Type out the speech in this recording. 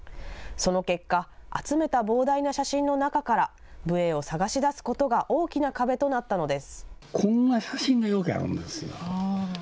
その結果、集めた膨大な写真の中から、武営を探し出すことが大きな壁となったのです。